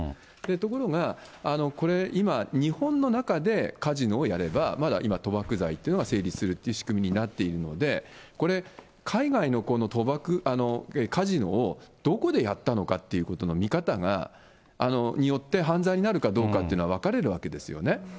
ところが、これ今、日本の中でカジノをやれば、まだ今、賭博罪というのが成立するっていう仕組みになってるので、これ、海外の賭博、カジノをどこでやったのかという見方が、によって、犯罪になるかどうかっていうのは、分かれるわけですよね。